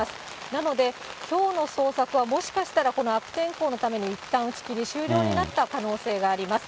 なので、きょうの捜索はもしかしたら、この悪天候のために、いったん打ち切りし、終了になった可能性があります。